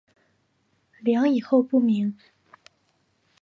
梁以后不明。